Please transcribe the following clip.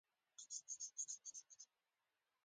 «عد سیاست د علم لومړی قانون دا دی: پر افغانستان برید مه کوه.